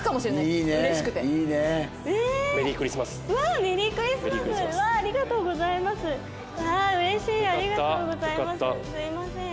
すいません。